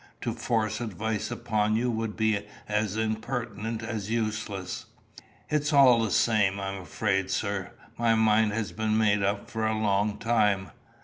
To force advice upon you would be as impertinent as useless." "It's all the same, I'm afraid, sir. My mind has been made up for a long time.